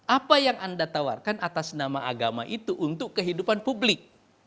apa yang anda tawarkan atas nama agama itu untuk kehidupan publik